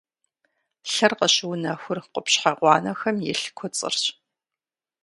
Лъыр къыщыунэхур къупщхьэ гъуанэхэм илъ куцӏырщ.